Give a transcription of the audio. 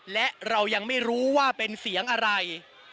และเรายังไม่รู้ว่าเป็นเสียงอะไร